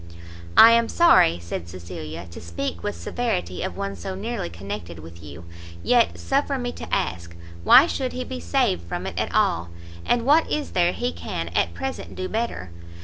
"I am sorry," said Cecilia, "to speak with severity of one so nearly connected with you, yet, suffer me to ask, why should he be saved from it at all? and what is there he can at present do better?